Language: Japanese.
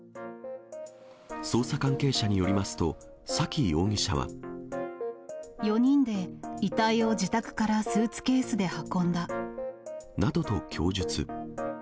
捜査関係者によりますと、４人で遺体を自宅からスーツなどと供述。